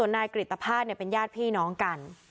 นายกฤตภาษณ์เนี่ยเป็นญาติพี่น้องกัน